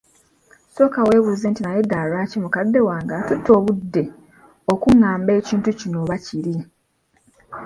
Sooka webuuze nti naye ddala lwaki mukadde wange atutte obudde okungamba ekintu kino oba kiri?